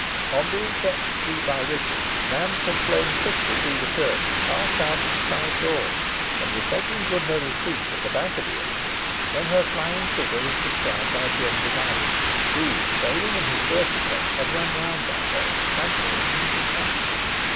On being set free by Richard, Nance had flown quickly through the church, and passed out at the side door, and was making good her retreat at the back of the edifice, when her flying figure was descried by Jem Device, who, failing in his first attempt, had run round that way, fancying he should catch her.